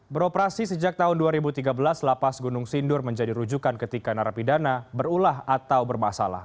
beroperasi sejak tahun dua ribu tiga belas lapas gunung sindur menjadi rujukan ketika narapidana berulah atau bermasalah